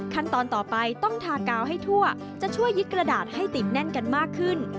ขั้นตอนต่อไปต้องทากาวให้ทั่วจะช่วยยึดกระดาษให้ติดแน่นกันมากขึ้น